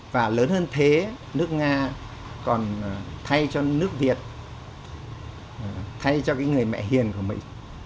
và lớn hơn thế nước nga còn thay cho nước việt thay cho cái người mẹ hiền của mỹ